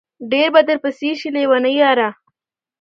ډېر به درپسې شي لېوني ياره